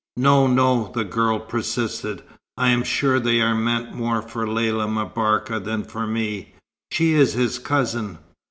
"No, no," the girl persisted, "I am sure they are meant more for Lella M'Barka than for me. She is his cousin."